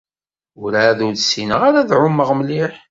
Werɛad ur ssineɣ ara ad ɛumeɣ mliḥ.